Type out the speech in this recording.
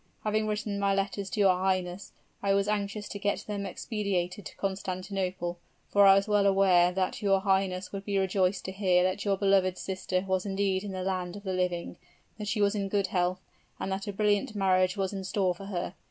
Having written my letters to your highness, I was anxious to get them expedited to Constantinople, for I was well aware that your highness would be rejoiced to hear that your beloved sister was indeed in the land of the living, that she was in good health, and that a brilliant marriage was in store for her.